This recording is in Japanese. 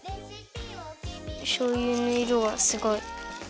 しょうゆのいろがすごい。